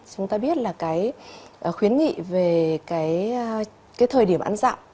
chúng ta biết là cái khuyến nghị về cái thời điểm ăn dạo